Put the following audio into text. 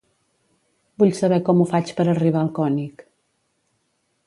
Vull saber com ho faig per arribar al König.